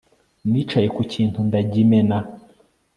Nicaye ku kintu ndagimena